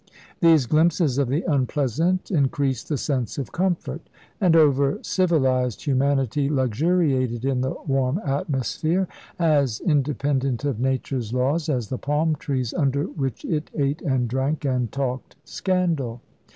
These glimpses of the unpleasant increased the sense of comfort, and over civilised humanity luxuriated in the warm atmosphere, as independent of nature's laws as the palm trees under which it ate and drank and talked scandal.